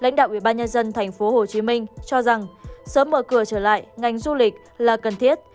lãnh đạo ubnd tp hcm cho rằng sớm mở cửa trở lại ngành du lịch là cần thiết